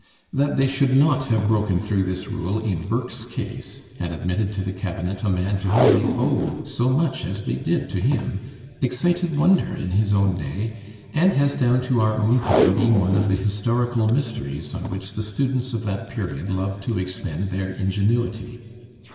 That they should not have broken through this rule in Burke's case, and admitted to the Cabinet a man to whom they owed so much as they did to him, excited wonder in his own day, and has down to our own time been one of the historical mysteries on which the students of that period love to expend their ingenuity.